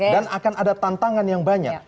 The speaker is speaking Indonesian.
dan akan ada tantangan yang banyak